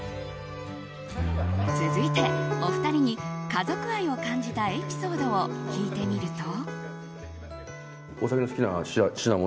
続いて、お二人に家族愛を感じたエピソードを聞いてみると。